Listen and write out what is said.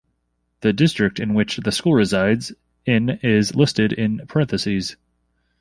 The district in which the school resides in is listed in parentheses.